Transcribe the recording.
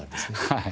はい。